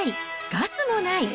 ガスもない！